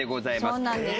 そうなんです。